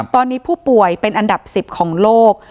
ตอนนี้ผู้ป่วยเป็นอันดับ๑๐ของโลก